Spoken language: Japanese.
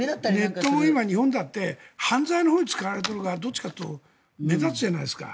今、ネットも日本だって犯罪のほうに使われているのがどっちかというと目立つじゃないですか。